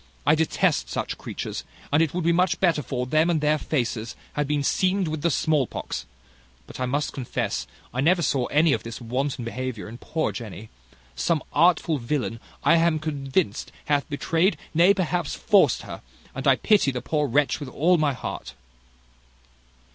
I detest such creatures; and it would be much better for them that their faces had been seamed with the smallpox; but I must confess, I never saw any of this wanton behaviour in poor Jenny: some artful villain, I am convinced, hath betrayed, nay perhaps forced her; and I pity the poor wretch with all my heart."